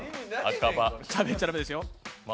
しゃべっちゃ駄目ですよ